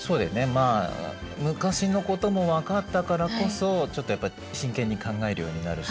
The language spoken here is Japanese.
まあ昔のことも分かったからこそちょっとやっぱ真剣に考えるようになるし。